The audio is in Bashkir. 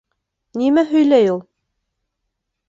— Нимә һөйләй ул?